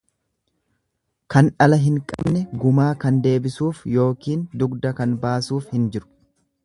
Kan dhala hin qabne gumaa kan deebisuuf yookiin dugda kan baasuuf hin jiru.